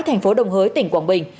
thành phố đồng hới tỉnh quảng bình